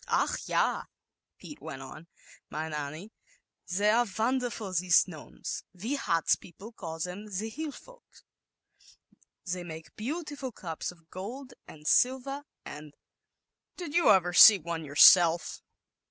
i > ch, ya,' Pete went on, "mein ie, they are very wonderful these nomes, we Hartz people call them the Hill Folks.' They make beautiful cups f gold and silver, and v "Did you *"^ ver see one yourself?